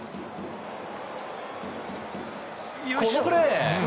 このプレー！